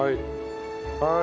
はい。